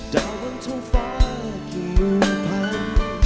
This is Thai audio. ดาวน์ทั้งฟ้าและกี่หมื่นพัน